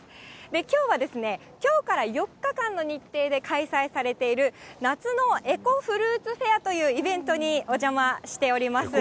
きょうは、きょうから４日間の日程で開催されている、夏のエコフルーツフェアというイベントにお邪魔しております。